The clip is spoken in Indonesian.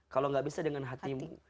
kalau gak bisa dengan hatimu